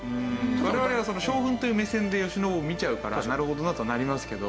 我々がその将軍という目線で慶喜を見ちゃうからなるほどなとなりますけど。